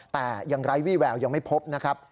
แต่ยังไร้วี่แววยังไม่พบนะครับ